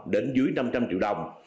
đến dưới năm trăm linh triệu đồng